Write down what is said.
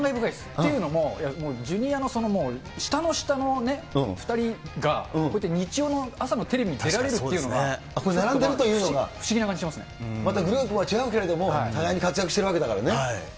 というのも、ジュニアの下の下の２人がこうやって日曜の朝のテレビに出られるこれ、並んでいるっていうのまたグループは違うけど、互いに活躍してるわけだからね。